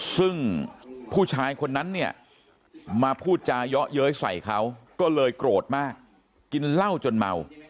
ซึ่งผู้ชายคนนั้นเนี่ยมาพูดจาเยาะเย้ยใส่เขาก็เลยโกรธมากกินเหล้าจนเมา